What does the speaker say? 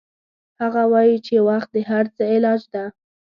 هغه وایي چې وخت د هر څه علاج ده